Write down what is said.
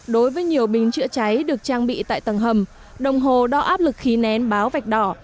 đối với nhiều bình chữa cháy được trang bị tại tầng hầm đồng hồ đo áp lực khí nén báo vạch đỏ